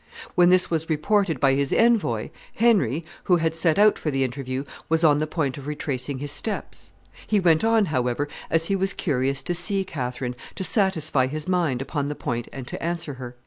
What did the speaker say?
When this was reported by his envoy, Henry, who had set out for the interview, was on the point of retracing his steps; he went on, however, as he was curious to see Catherine, to satisfy his mind upon the point and to answer her."